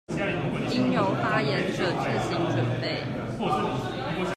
應由發言者自行準備